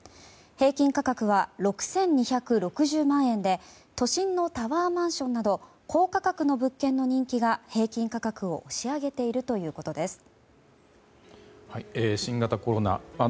平均価格は６２６０万円で都心のタワーマンションなど高価格の物件の人気が平均価格を押し上げているということです。